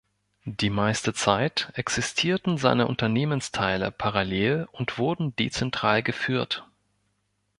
Die meiste Zeit existierten seine Unternehmensteile parallel und wurden dezentral geführt.